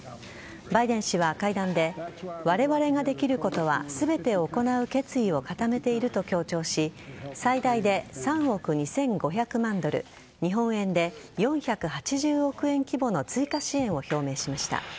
バイデン氏は会談でわれわれができることは全て行う決意を固めていると強調し最大で３億２５００万ドル日本円で４８０億円規模の追加支援を表明しました。